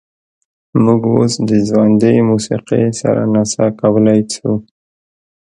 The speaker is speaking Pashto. موږ اوس د ژوندۍ موسیقۍ سره نڅا کولی شو